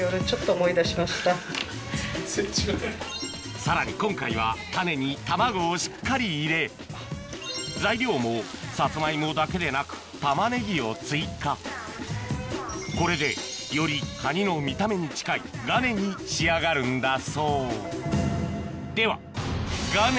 さらに今回はタネに卵をしっかり入れ材料もさつまいもだけでなくこれでよりカニの見た目に近いがねに仕上がるんだそうではがね。